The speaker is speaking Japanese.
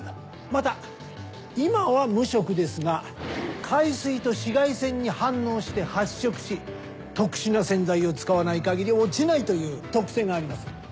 また今は無色ですが海水と紫外線に反応して発色し特殊な洗剤を使わない限り落ちないという特性があります。